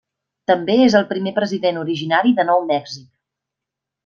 També és el primer president originari de Nou Mèxic.